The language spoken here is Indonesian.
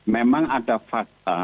memang ada fakta